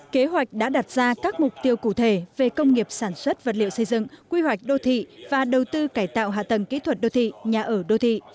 kế hoạch đã đặt ra các mục tiêu cụ thể về công nghiệp sản xuất vật liệu xây dựng quy hoạch đô thị và đầu tư cải tạo hạ tầng kỹ thuật đô thị nhà ở đô thị